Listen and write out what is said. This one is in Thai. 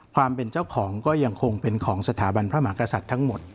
ความเป็นเจ้าของก็ยังคงเป็นของสถาบันพระมหากษัตริย์ทั้งหมด